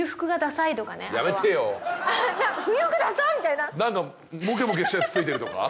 なんかモケモケしたやつ付いてるとか？